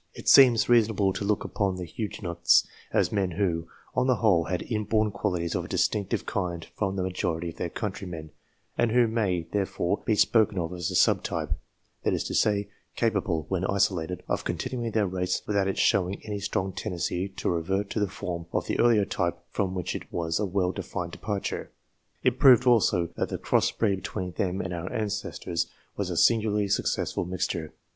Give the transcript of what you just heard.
It seems reasonable to look upon the Huguenots as men who, on the whole, had inborn qualities of a distinctive kind from the majority of their countrymen, and who may, therefore, be spoken of as a sub type that is to say, capable, when isolated, of con tinuing their race without its showing any strong tendency to revert to the form of the earlier type from which it was a well defined departure. It proved, also, that the cross breed between them and our ancestors was a singularly successful mixture.